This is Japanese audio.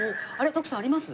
徳さんあります？